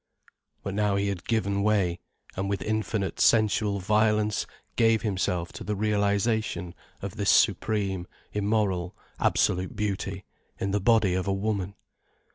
But now he had given way, and with infinite sensual violence gave himself to the realization of this supreme, immoral, Absolute Beauty, in the body of woman.